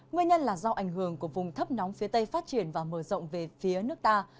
nguyên nhân là do ảnh hưởng của vùng thấp nóng phía tây phát triển và mở rộng về phía nước ta